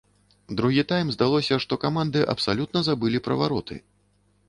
Другі тайм здалося, што каманды абсалютна забылі пра вароты.